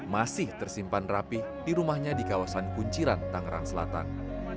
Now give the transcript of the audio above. masih tersimpan rapih di rumahnya di kawasan kunciran tangerang selatan